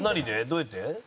どうやって？